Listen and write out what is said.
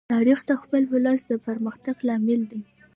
تاریخ د خپل ولس د پرمختګ لامل دی.